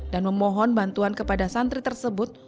dan memohon bantuan kepada santri tersebut